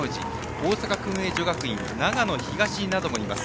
大阪薫英女学院長野東などもいます。